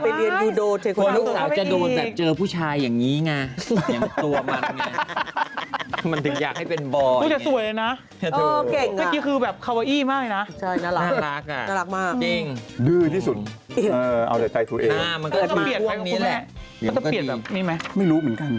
โอ้มก็ต้องเปลี่ยนแบบนี้มั้ยไม่รู้เหมือนกัน